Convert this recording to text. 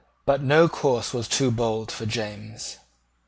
But no course was too bold for James.